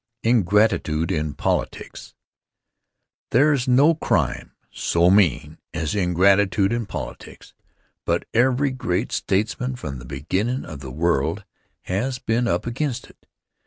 Ingratitude in Politics THERE's no crime so mean as ingratitude in politics, but every great statesman from the beginnin' of the world has been up against it.